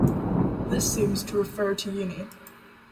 This seems to refer to Uni.